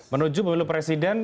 menuju pemilu presiden